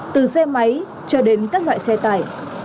từ xe máy cho đến các loại xe tải